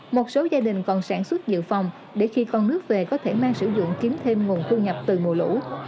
một số gia đình còn sản xuất dự phòng để khi con nước về có thể mang sử dụng kiếm thêm nguồn thu nhập từ mùa lũ